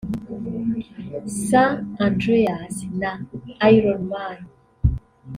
’San Andreas’ na ’Iron Man’